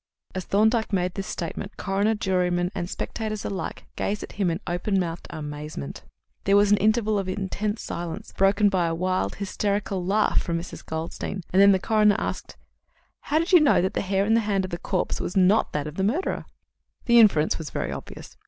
As Thorndyke made this statement, coroner, jurymen, and spectators alike gazed at him in open mouthed amazement. There was an interval of intense silence, broken by a wild, hysteric laugh from Mrs. Goldstein, and then the coroner asked: "How did you know that the hair in the hand of the corpse was not that of the murderer?" "The inference was very obvious.